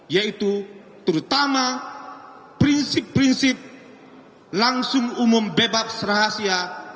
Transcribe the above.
yaitu terutama prinsip prinsip langsung umum bebas serahasia